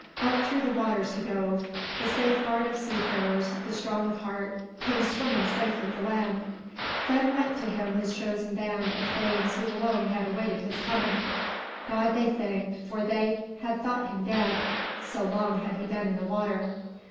Up through the waters he dove. The safeguard of sea farers, the strong of heart, came swimming safely to land. Then went to him his chosen band of thanes who alone had awaited his coming. God they thanked, for they had thought him dead, so long had he been in the water.